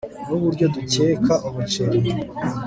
Nuburyo duteka umuceri